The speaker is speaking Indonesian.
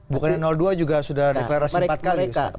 bukannya dua juga sudah deklarasi empat kali